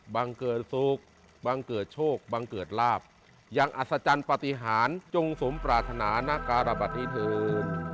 บังเกิดสุขบังเกิดโชคบังเกิดราบจงสมปราฮีราชนทรอบอย่างอัศจรรย์ปฏิหารจงสมปรารถนานาการบัตรนี้พืน